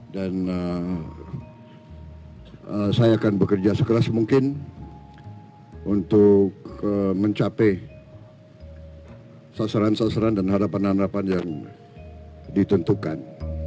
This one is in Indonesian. dan saya akan bekerja sekeras mungkin untuk mencapai sasaran sasaran dan harapan harapan yang ditentukan